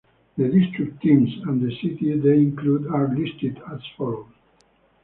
The district teams and the cities they include are listed as follows.